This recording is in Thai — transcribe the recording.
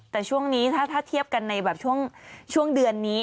แต่ช่วงนี้ถ้าเทียบกันในแบบช่วงเดือนนี้